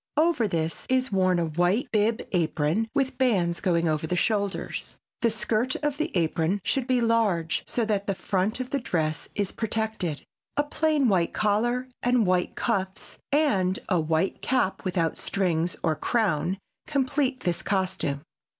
Over this is worn a white bib apron with bands going over the shoulders. The skirt of the apron should be large so that the front of the dress is protected. A plain white collar and white cuffs and a white cap without strings or crown complete this costume.